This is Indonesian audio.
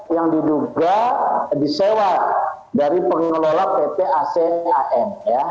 yang diduga disewa dari pengelola pt acam